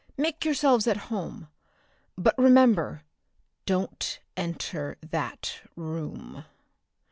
Make yourselves at home. But remember don't enter that room!"